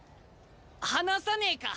話さねえか？